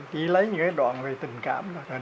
chỉ lấy những cái đoạn về tình cảm thôi